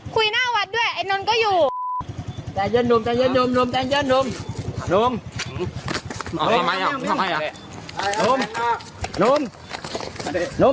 คุยหน้าวัดด้วยไอ้นนก็อยู่ใจเย็นนุ่มใจเย็นนุ่มนุ่ม